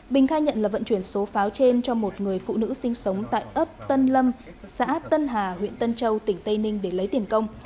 bình khai nhận là vận chuyển số pháo trên cho một người phụ nữ sinh sống tại ấp tân lâm xã tân hà huyện tân châu tỉnh tây ninh để lấy tiền công